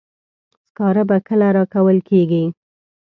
سکاره به کله راکول کیږي.